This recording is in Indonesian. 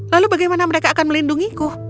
lalu bagaimana mereka akan melindungiku